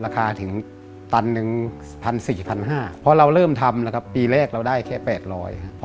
คือเลยครับ